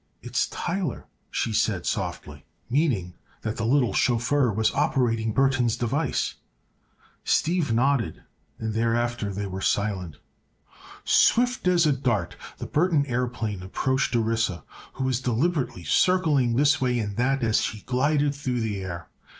"It's Tyler," she said softly, meaning that the little chauffeur was operating Burthon's device. Steve nodded, and thereafter they were silent. Swift as a dart the Burthon aëroplane approached Orissa, who was deliberately circling this way and that as she glided through the air.